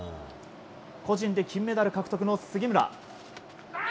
個人で金メダル獲得の杉村。